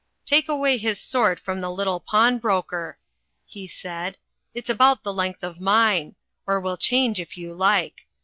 "Take away his sword from the little pawnbroker," he said. "It's about the length of mine ; or we'll change if you like.